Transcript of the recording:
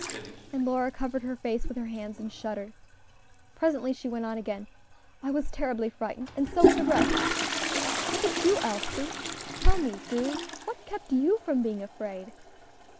And Lora covered her face with her hands and shuddered. Presently she went on again. "I was terribly frightened, and so were the rest all but you, Elsie; tell me, do what kept you from being afraid?"